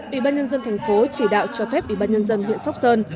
ủy ban nhân dân tp chỉ đạo cho phép ủy ban nhân dân huyện sóc sơn